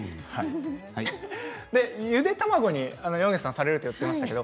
ゆで卵に山口さんされると言っていました。